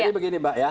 jadi begini mbak ya